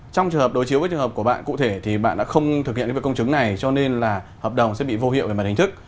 trong trường hợp đối chiếu với trường hợp của bạn cụ thể thì bạn đã không thực hiện việc công chứng này cho nên là hợp đồng sẽ bị vô hiệu về mặt hình thức